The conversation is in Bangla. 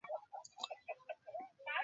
জ্যাক, আমি তোমাকে সাহায্য করবো, কেমন?